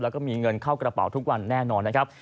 แล้วก็มีเงินเข้ากระเป๋าทุกวันแน่นอนนะครับ